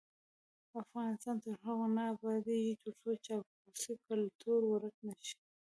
افغانستان تر هغو نه ابادیږي، ترڅو د چاپلوسۍ کلتور ورک نشي.